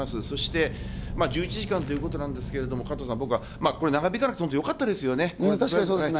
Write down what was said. そして１１時間ということなんですけれども加藤さん、長引かなくてよかったですね。